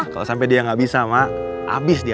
kalo sampe dia gak bisa mak abis dia